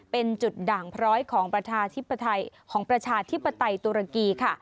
เป็นจุดด่างเพราะของประชาธิปไตยตุรกี